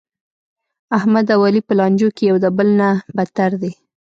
احمد او علي په لانجو کې یو د بل نه بتر دي.